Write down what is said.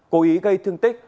cố ý gây thương tích